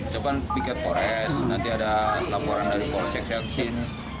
coba pikir polres nanti ada laporan dari polsek saya kesini